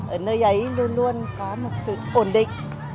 ở nơi ấy luôn luôn có một sự ổn định